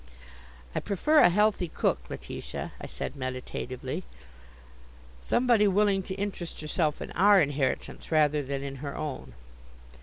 "I prefer a healthy cook, Letitia," I said meditatively, "somebody willing to interest herself in our inheritance, rather than in her own."